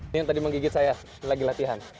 ini yang tadi menggigit saya lagi latihan